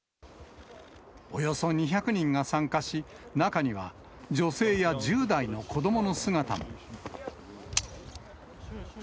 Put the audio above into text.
およそ２００人が参加し、中には、女性や１０代の子どもの姿も。